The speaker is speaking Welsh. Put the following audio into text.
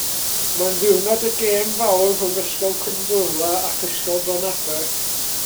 Mae'n ddiwrnod y gêm fawr rhwng Ysgol Cwmbwrla ac Ysgol Bronaber.